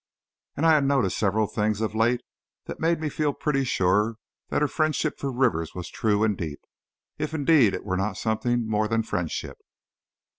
And I had noticed several things of late that made me feel pretty sure that her friendship for Rivers was true and deep, if indeed it were not something more than friendship.